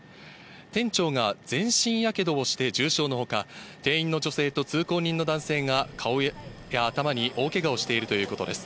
店長が全身やけどをして重傷のほか、店員の女性と通行人の男性が、顔や頭に大けがをしているということです。